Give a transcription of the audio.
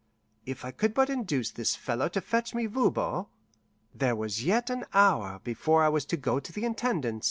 If I could but induce this fellow to fetch me Voban! There was yet an hour before I was to go to the intendance.